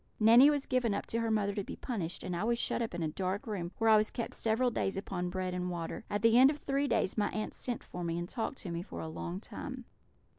Nanny was given up to her mother to be punished; and I was shut up in a dark room, where I was kept several days upon bread and water. At the end of three days my aunts sent for me, and talked to me for a long time.